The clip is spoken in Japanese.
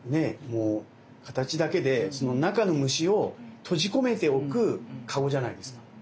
もう形だけでその中の虫を閉じ込めておくかごじゃないですか。